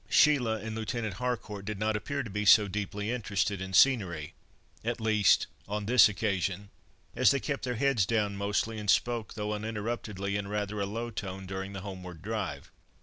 Sheila and Lieutenant Harcourt did not appear to be so deeply interested in scenery—at least, on this occasion—as they kept their heads down mostly, and spoke, though uninterruptedly, in rather a low tone during the homeward drive.